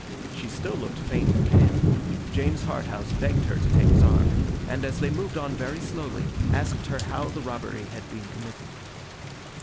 She still looked faint and pale. James Harthouse begged her to take his arm; and as they moved on very slowly, asked her how the robbery had been committed.